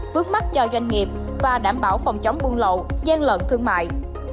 vướng mắt cho doanh nghiệp và đảm bảo phòng chống buôn lậu gian lận thương mại